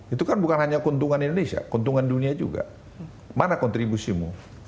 itu kan bukan hanya keuntungan indonesia keuntungan dunia juga mana kontribusimu